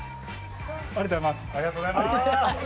ありがとうございます。